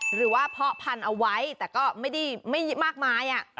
หรือว่าเพาะพันธุ์เอาไว้แต่ก็ไม่ได้ไม่มากมาย